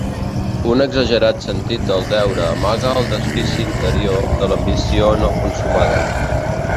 Un exagerat sentit del deure amaga el desfici interior de l'ambició no consumada.